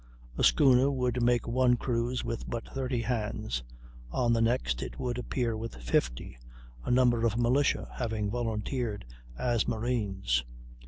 A schooner would make one cruise with but thirty hands; on the next it would appear with fifty, a number of militia having volunteered as marines.